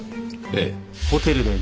ええ。